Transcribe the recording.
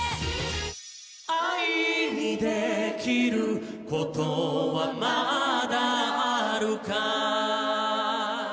「愛にできることはまだあるかい」